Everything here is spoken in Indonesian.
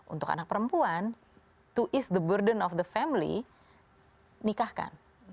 untuk anak perempuan untuk mengelola kekuatan keluarga nikahkan